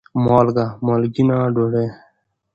مالګه : مالګېنه ډوډۍ